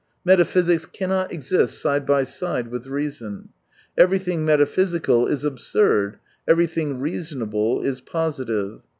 Metaphysics cannot exist side by side with reason. Everything meta physical is absurd, everything reasonable is — positive.